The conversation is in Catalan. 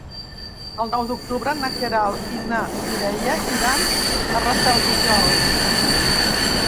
El nou d'octubre na Queralt i na Mireia iran a Rafelbunyol.